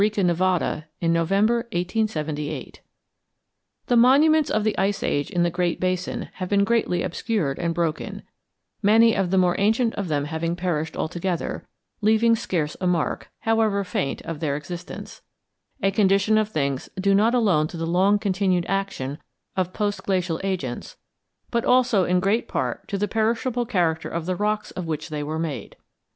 XV. Glacial Phenomena in Nevada The monuments of the Ice Age in the Great Basin have been greatly obscured and broken, many of the more ancient of them having perished altogether, leaving scarce a mark, however faint, of their existence—a condition of things due not alone to the long continued action of post glacial agents, but also in great part to the perishable character of the rocks of which they were made.